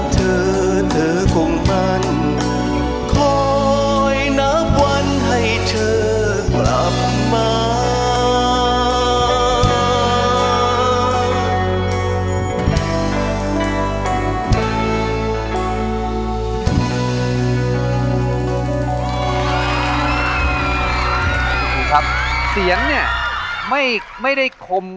ถือถือคงมัน